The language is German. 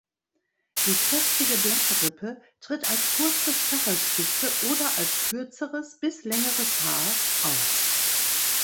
Die kräftige Blattrippe tritt als kurze Stachelspitze oder als kürzeres bis längeres Haar aus.